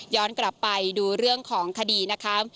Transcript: กลับไปดูเรื่องของคดีนะคะ